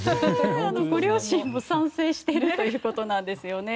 ご両親も賛成しているということなんですよね。